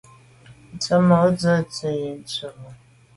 Tsemo’ te ntsi tu bo.